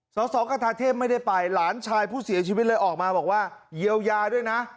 สสกทาเทพไม่ได้ไปหลานชายผู้เสียชีวิตเลยออกมาบอกว่าเยียวยาด้วยนะ